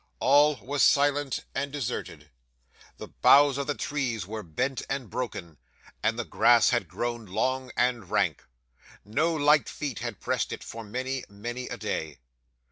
All was silent and deserted. The boughs of the trees were bent and broken, and the grass had grown long and rank. No light feet had pressed it for many, many a day.